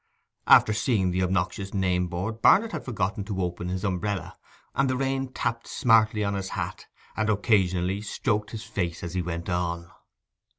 After seeing the obnoxious name board Barnet had forgotten to open his umbrella, and the rain tapped smartly on his hat, and occasionally stroked his face as he went on.